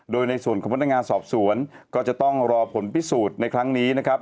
โดยในส่วนของพนักงานสอบสวนก็จะต้องรอผลพิสูจน์ในครั้งนี้นะครับ